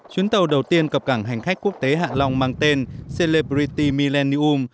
chuyến tàu đầu tiên cập cảng hành khách quốc tế hạ long mang tên celebrity millennium